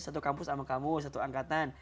satu kampus sama kamu satu angkatan